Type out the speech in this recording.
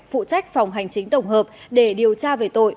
phụ trách phòng hành chính tổng hợp để điều tra về tội